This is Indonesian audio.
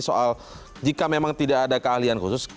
soal jika memang tidak ada keahlian khusus